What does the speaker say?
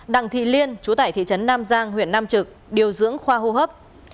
đặng thị liên chú tại thị trấn nam giang huyện nam trực điều dưỡng khoa hô hấp